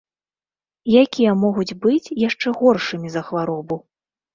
Якія могуць быць яшчэ горшымі за хваробу.